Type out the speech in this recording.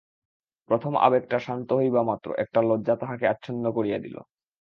প্রথম আবেগটা শান্ত হইবামাত্র একটা লজ্জা তাহাকে আচ্ছন্ন করিয়া দিল।